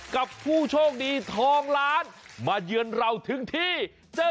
กับผู้โชคดีทองล้านมาเยือนเราถึงที่เจอ